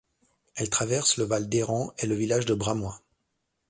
Elle traverse le val d'Hérens et le village de Bramois.